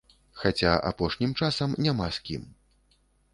Хаця апошнім часам няма з кім.